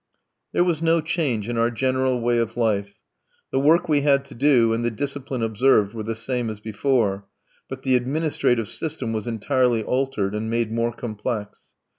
There was no change in our general way of life. The work we had to do and the discipline observed were the same as before; but the administrative system was entirely altered, and made more complex.